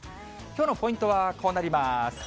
きょうのポイントはこうなります。